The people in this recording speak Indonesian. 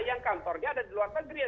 yang kantornya ada di luar negeri